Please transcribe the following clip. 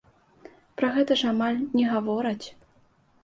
Пра гэта ж амаль не гавораць.